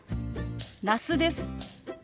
那須です。